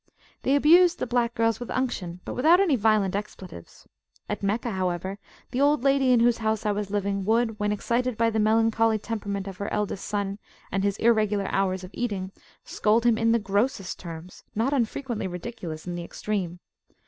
They abused the black girls with unction, but without any violent expletives. At Meccah, however, the old lady in whose house I was living would, when excited by the melancholy temperament of her eldest son and his irregular hours of eating, scold him in the grossest terms, not unfrequently ridiculous in the extreme.